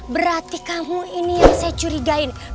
berarti kamu ini yang saya curigain